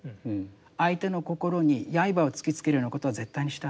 相手の心に刃を突きつけるようなことは絶対にしてはならない。